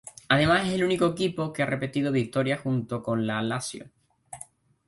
Además es el único equipo que ha repetido victoria junto con la Lazio.